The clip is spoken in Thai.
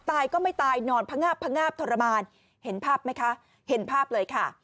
ก็ไม่ตายนอนพงาบพงาบทรมานเห็นภาพไหมคะเห็นภาพเลยค่ะ